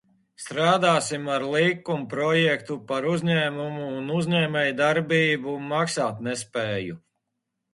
"Strādāsim ar likumprojektu "Par uzņēmumu un uzņēmējsabiedrību maksātnespēju"."